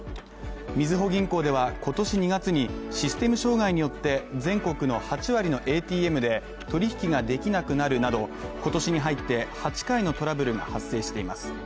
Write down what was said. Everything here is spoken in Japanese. みずほ銀行では、今年２月にシステム障害によって、全国の８割のＡＴＭで取引ができなくなるなど今年に入って８回のトラブルが発生しています。